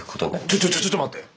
ちょちょちょちょっと待て。